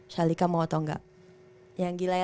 shalika mau atau enggak